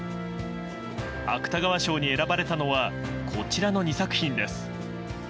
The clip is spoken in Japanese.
芥川賞に選ばれたのはこちらの２作品です。